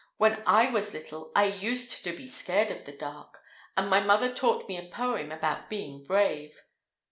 "When I was little I used to be scared of the dark, and my mother taught me a poem about being brave."